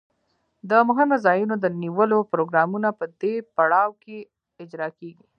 د مهمو ځایونو د نیولو پروګرامونه په دې پړاو کې اجرا کیږي.